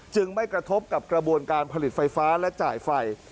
ไม่กระทบกับกระบวนการผลิตไฟฟ้าและจ่ายไฟ